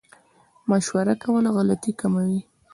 مشوره کول غلطي کموي